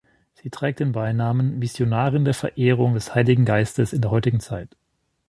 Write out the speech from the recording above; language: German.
Sie trägt den Beinamen: „Missionarin der Verehrung des Heiligen Geistes in der heutigen Zeit“.